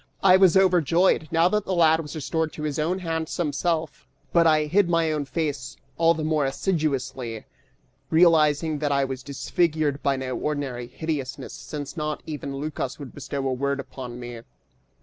I was overjoyed, now that the lad was restored to his own handsome self, but I hid my own face all the more assiduously, realizing that I was disfigured by no ordinary hideousness since not even Lycas would bestow a word upon me.